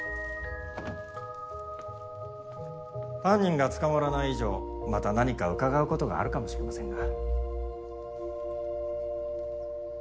犯人が捕まらない以上また何か伺うことがあるかもしれませんが。